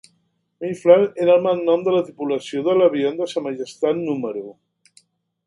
"Mayfly" era el malnom de la tripulació de l'avió de Sa Majestat número